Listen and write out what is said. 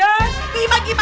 aduh aduh aduh aduh